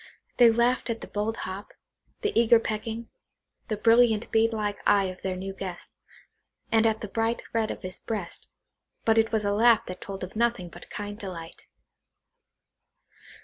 They laughed at the bold hop,–the eager pecking,–the brilliant bead like eye of their new guest,–and at the bright red of his breast; but it was a laugh that told of nothing but kind delight.